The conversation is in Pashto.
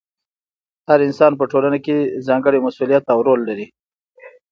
هر انسان په ټولنه کې ځانګړی مسؤلیت او رول لري.